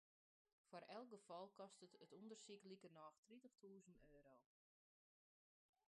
Foar elk gefal kostet it ûndersyk likernôch tritichtûzen euro.